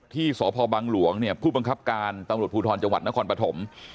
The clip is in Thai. ที่สพบังหลวงเนี่ยผู้บังคับการตำรวจภูทรจังหวัดนครปฐม